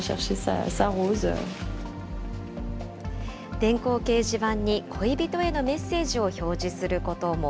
電光掲示板に恋人へのメッセージを表示することも。